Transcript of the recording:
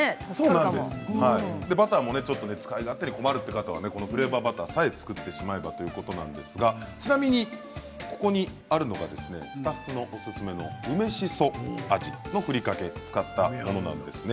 バターの使い方に困るという方はフレーバーバターさえ作ってしまえばということなんですがちなみに、ここにあるのはスタッフのおすすめの梅しそ味のふりかけを使ったものですね。